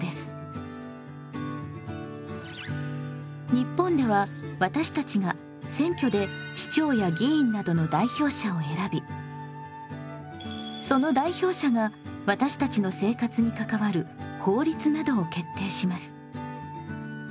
日本では私たちが選挙で首長や議員などの代表者を選びその代表者が私たちの生活に関わる法律などを決定します。